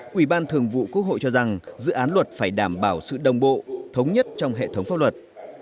quỹ ban thường vụ quốc hội cho rằng dự án luật phải đảm bảo sự đồng bộ thống nhất trong hệ thống pháp luật